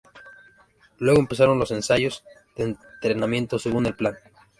Luego empezaron los ensayos de entrenamiento según el plan.